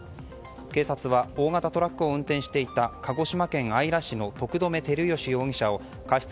警察は大型トラックを運転していた鹿児島県姶良市の徳留輝禎容疑者を過失